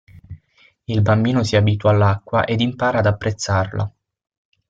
Il bambino si abitua all'acqua ed impara ad apprezzarla.